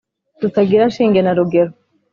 tutagira shinge na rugero